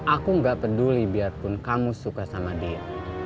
aku nggak peduli biarpun kamu suka sama dia